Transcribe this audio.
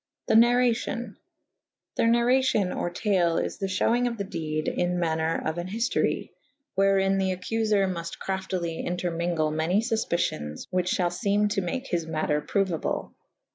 The narracion. The narracio« or tale is the fhewynge of the dede in maner of an hiftorye / wherin the accufer mufte craftly entermewgle many fufpicyons which fhall feme to make his mater prouable.